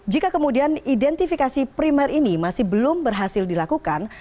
jika kemudian identifikasi primer ini masih belum berhasil dilakukan